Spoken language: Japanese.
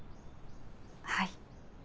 はい。